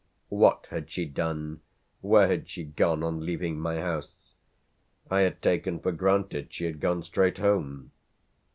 What had she done, where had she gone on leaving my house? I had taken for granted she had gone straight home.